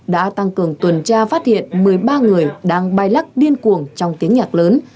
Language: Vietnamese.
đã tăng cường tuần tra phát hiện một mươi ba người đang bay lắc điên cuồng trong tiếng nhạc lớn